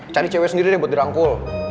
cari cewek sendiri deh buat dirangkul